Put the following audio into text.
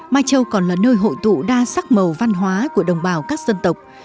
mai châu còn là nơi hội tụ đa sắc màu văn hóa của đồng bào các dân tộc